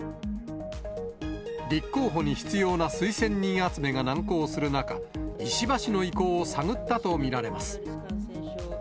立候補に必要な推薦人集めが難航する中、石破氏の意向を探ったと見られます。